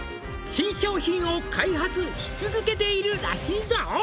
「新商品を開発し続けているらしいぞ」